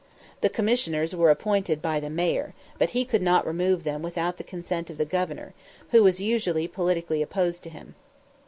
The Commissioners were appointed by the Mayor, but he could not remove them without the assent of the Governor, who was usually politically opposed to him.